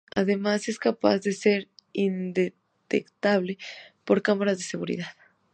Además es capaz de ser indetectable por cámaras de seguridad.